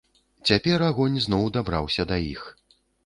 Цяпер агонь зноў дабіраўся да іх.